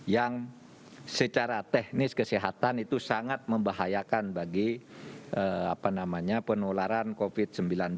yang secara teknis kesehatan itu sangat membahayakan bagi penularan covid sembilan belas